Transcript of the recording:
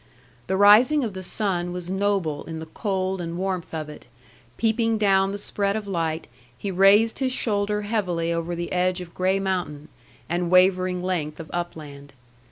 The rising of the sun was noble in the cold and warmth of it; peeping down the spread of light, he raised his shoulder heavily over the edge of grey mountain, and wavering length of upland.